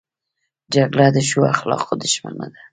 جګړه د ښو اخلاقو دښمنه ده